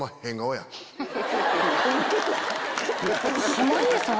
濱家さん？